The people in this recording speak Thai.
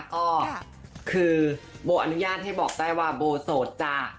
ก็คือโบอนุญาตให้บอกได้ว่าโบโสดจ้ะ